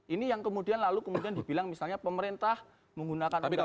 ini yang kemudian lalu kemudian dibilang misalnya pemerintah menggunakan undang undang